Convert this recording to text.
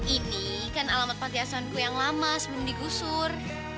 ini kan alamat panti asuhanku yang lama sebelum digusur